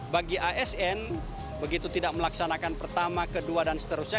bagi asn begitu tidak melaksanakan pertama kedua dan seterusnya